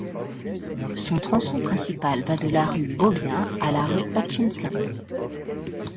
Son tronçon principal va de la rue Beaubien à la rue Hutchison.